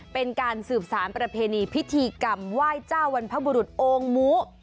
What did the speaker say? เป็นการสืบสารประเพณีพิธีกรรมไหว้เจ้าบรรพบุรุษโองมู